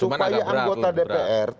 supaya anggota dpr